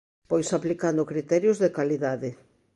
Pois aplicando criterios de calidade.